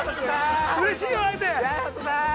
うれしいよ、会えて。